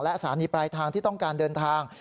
และสถานีปลายทางที่ต้องการเดินทาง